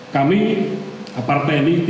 kami aparte ini tidak menghormati